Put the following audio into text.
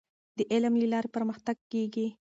د علم له لارې پرمختګ کیږي.